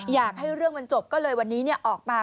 อยากให้เรื่องมันจบก็เลยวันนี้ออกมา